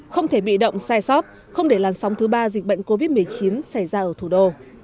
không thể bị động sai sót không để làn sóng thứ ba dịch bệnh covid một mươi chín xảy ra ở thủ đô